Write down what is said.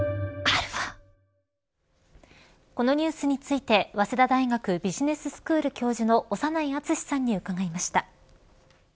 このニュースについて早稲田大学ビジネススクール教授の長内厚さんに伺いました。